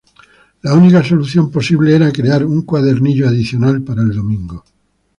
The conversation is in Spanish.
La única solución posible era crear un cuadernillo adicional para el domingo.